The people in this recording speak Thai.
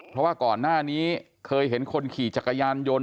เพราะว่าก่อนหน้านี้เคยเห็นคนขี่จักรยานยนต์